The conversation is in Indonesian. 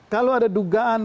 kalau ada dugaan